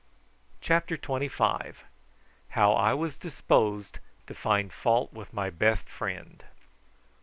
CHAPTER TWENTY FIVE. HOW I WAS DISPOSED TO FIND FAULT WITH MY BEST FRIEND.